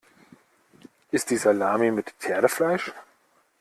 Ist die Salami mit Pferdefleisch?